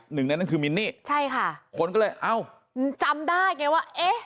หนึ่งในนั้นคือมินนี่ใช่ค่ะคนก็เลยเอ้าจำได้ไงว่าเอ๊ะ